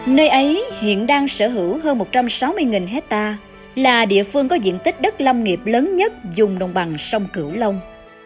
nơi ấy hiện đang sở hữu hơn một trăm sáu mươi hectare là địa phương có diện tích đất lâm nghiệp lớn nhất dùng đồng bằng sông cửu long